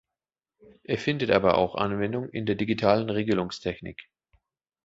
Er findet aber auch Anwendung in der digitalen Regelungstechnik.